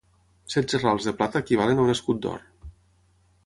Setze rals de plata equivalen a un escut d'or.